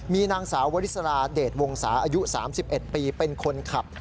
มีนางสาววริสราเดชวงศาอายุ๓๑ปีเป็นคนขับ